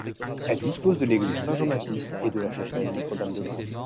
Elle dispose de l’église Saint-Jean-Baptiste et de la chapelle Notre-Dame-de-Grâce.